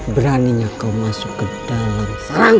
beraninya kau masuk ke dalam sarang